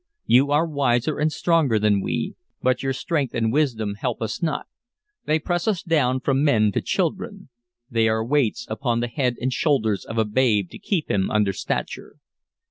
You are wiser and stronger than we, but your strength and wisdom help us not: they press us down from men to children; they are weights upon the head and shoulders of a babe to keep him under stature.